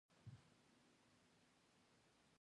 دولت او ټولنه یو ځانګړی حق نه لري.